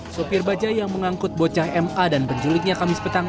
sopir bajai yang mengangkut bocah ma dan penculiknya kamis petang